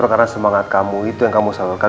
karena semangat kamu itu yang kamu salurkan